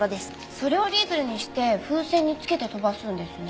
それを折り鶴にして風船につけて飛ばすんですね。